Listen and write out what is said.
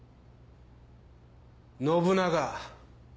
信長。